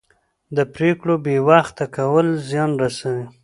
د پرېکړو بې وخته کول زیان رسوي